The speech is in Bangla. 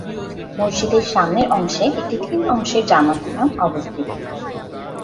মসজিদের সামনের অংশে একটি তিন অংশের জামাত স্থান অবস্থিত।